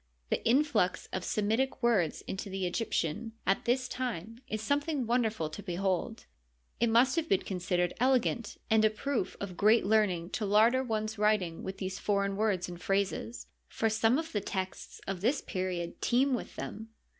The influx of Semitic words into the Egyptian at this time is something wonderful to behold. It must have been considered elegant and a proof of great learning to larder one's writings with these foreign words and phrases, for some of the texts of this period teem with them.